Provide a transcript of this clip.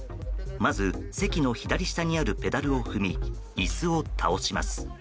まず、席の左下にあるペダルを踏み椅子を倒します。